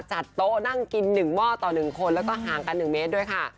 จัดโต๊ะนั่งกิน๑หม้อต่อ๑คนแล้วก็ห่างกัน๑เมตรด้วยค่ะ